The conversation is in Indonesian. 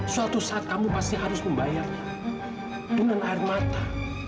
suatu saat kamu pasti harus membayarnya dengan air mata